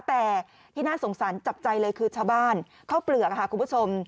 แต่ที่น่าสงสารจับใจเลยคือชาวบ้านเข้าเปลือกค่ะคุณผู้ชม